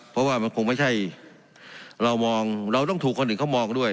เพราะว่ามันคงไม่ใช่เรามองเราต้องถูกคนอื่นเขามองด้วย